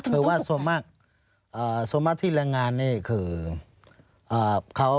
คือว่าส่วนมากที่แรงงานนี่คือ